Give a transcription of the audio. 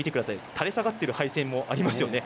垂れ下がっている配線もありますよね。